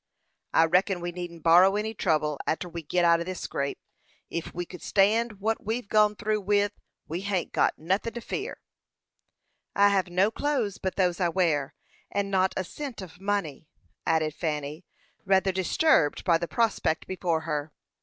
"I reckon we needn't borrow any trouble arter we git out of this scrape. Ef we could stand what we've gone through with, we hain't got nothin' to fear." "I have no clothes but those I wear, and not a cent of money," added Fanny, rather disturbed by the prospect before her.